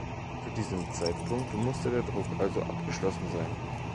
Zu diesem Zeitpunkt musste der Druck also abgeschlossen sein.